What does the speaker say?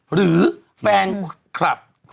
หรือแฟนคลับ